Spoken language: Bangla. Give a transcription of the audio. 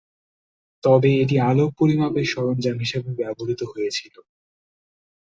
তবে এটি আলোক পরিমাপের সরঞ্জাম হিসাবে ব্যবহৃত হয়েছিল।